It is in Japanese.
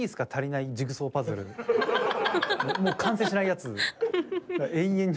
もう完成しないやつ。